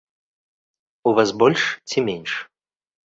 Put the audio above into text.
У вас больш ці менш?